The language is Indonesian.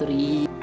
udah siap belum